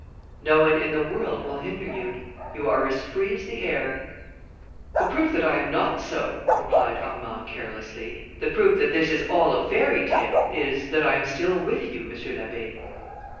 "No one in the world will hinder you. You are as free as the air." "The proof that I am not so," replied Armand carelessly, "the proof that this is all a fairy tale, is, that I am still with you, M. l'Abbé."